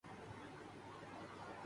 اس نے کہا اور کام نہیں